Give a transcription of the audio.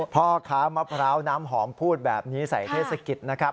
พ่อค้ามะพร้าวน้ำหอมพูดแบบนี้ใส่เทศกิจนะครับ